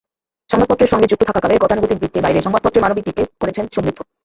সংবাদপত্রের সঙ্গে যুক্ত থাকাকালে গতানুগতিক বৃত্তের বাইরে সংবাদপত্রের মানবিক দিককে করেছেন সমৃদ্ধ।